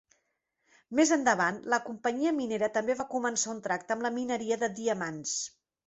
Més endavant, la companyia minera també va començar un tracte amb la mineria de diamants.